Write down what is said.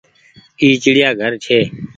اي چڙيآ گهر ڇي۔